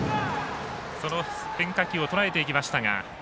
変化球をとらえていきましたが。